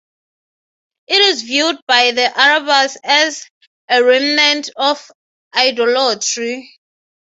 It is viewed by the Arabs as a remnant of idolatry.